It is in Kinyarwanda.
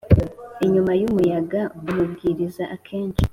inyuma y umuyaga Umubwiriza Akenshi